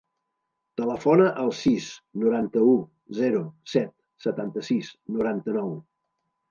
Telefona al sis, noranta-u, zero, set, setanta-sis, noranta-nou.